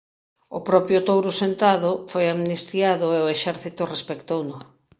O propio Touro Sentado foi amnistiado e o exército respectouno.